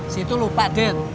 situ lupa ded